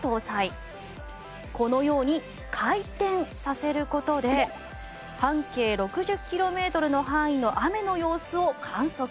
このように回転させる事で半径６０キロメートルの範囲の雨の様子を観測。